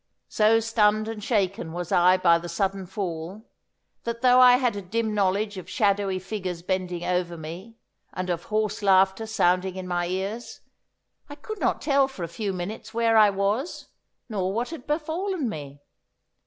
So stunned and shaken was I by the sudden fall, that though I had a dim knowledge of shadowy figures bending over me, and of hoarse laughter sounding in my ears, I could not tell for a few minutes where I was nor what had befallen me.